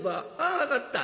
ああ分かった。